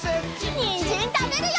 にんじんたべるよ！